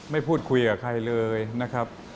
พูดคุยกับใครเลยนะครับ